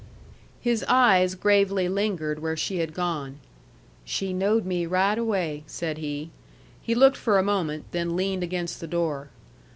His eyes gravely lingered where she had gone. "She knowed me right away," said he. He looked for a moment, then leaned against the door.